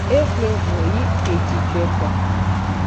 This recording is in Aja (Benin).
E xwle ehun yi eji joeko.